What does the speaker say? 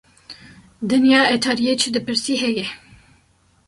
Dinya etariye çi dipirsî heye